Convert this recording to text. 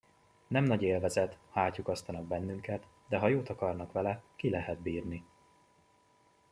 Nem nagy élvezet, ha átlyukasztanak bennünket, de ha jót akarnak vele, ki lehet bírni!